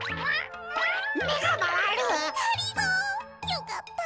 よかった。